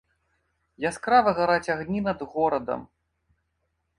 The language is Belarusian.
Яскрава гараць агні над горадам.